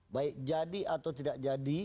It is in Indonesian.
baik jadi atau tidak jadi